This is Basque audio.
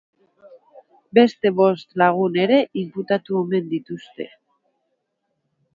Beste bost lagun ere inputatu omen dituzte.